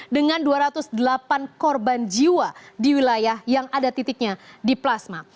dengan dua ratus delapan korban jiwa di wilayah yang ada titiknya di plasma